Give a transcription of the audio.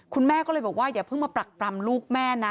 คุณแม่ก็เลยบอกว่าอย่าเพิ่งมาปรักปรำลูกแม่นะ